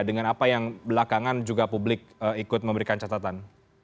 dengan apa yang belakangan juga publik ikut memberikan catatan